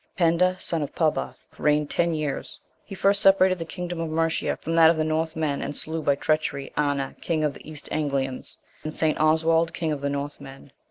Penda, son of Pybba, reigned ten years; he first separated the kingdom of Mercia from that of the North men, and slew by treachery Anna, king of the East Anglians, and St. Oswald, king of the North Men.